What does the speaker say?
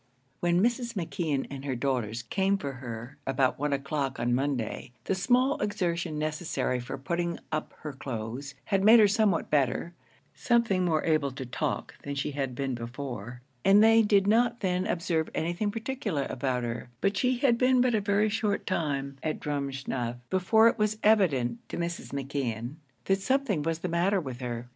When Mrs. McKeon and her daughters came for her about one o'clock on Monday, the small exertion necessary for putting up her clothes, had made her somewhat better something more able to talk than she had been before, and they did not then observe anything particular about her; but she had been but a very short time at Drumsna, before it was evident to Mrs. McKeon, that something was the matter with her.